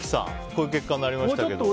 こういう結果になりましたけど。